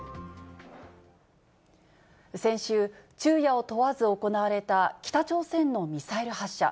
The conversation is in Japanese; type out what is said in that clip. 先週、昼夜を問わず行われた北朝鮮のミサイル発射。